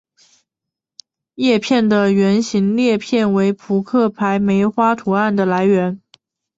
叶片的圆形裂片为扑克牌梅花图案的来源。